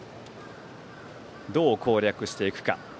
どう攻略していくか。